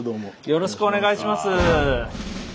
よろしくお願いします。